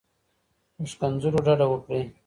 له ښکنځلو ډډه وکړئ.